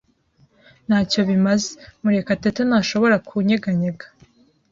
Ntacyo bimaze. Murekatete ntashobora kunyeganyega.